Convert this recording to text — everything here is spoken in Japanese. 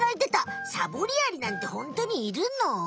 サボりアリなんてホントにいるの？